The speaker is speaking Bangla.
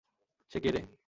সে কে রে?